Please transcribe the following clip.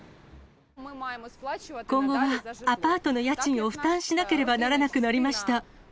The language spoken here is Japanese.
今後はアパートの家賃を負担しなければならなくなりました。